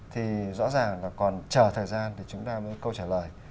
thì rõ ràng là còn chờ thời gian thì chúng ta mới câu trả lời